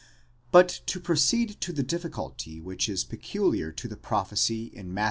But to proceed to the difficulty which is peculiar to the prophecy in Matt.